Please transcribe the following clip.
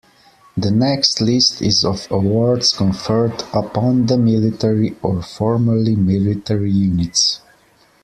The next list is of awards conferred upon the military or formerly military units.